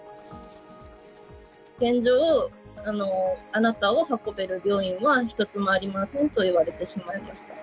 現状、あなたを運べる病院は一つもありませんと言われてしまいました。